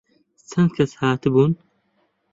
چەند کەس هاتبوون؟